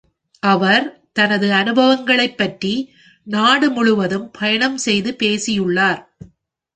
அவர் தனது அனுபவங்களைப் பற்றி நாடு முழுவதும் பயணம் செய்து பேசியுள்ளார்.